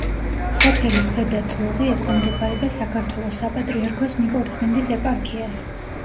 სოფელი ქვედა თლუღი ექვემდებარება საქართველოს საპატრიარქოს ნიკორწმინდის ეპარქიას.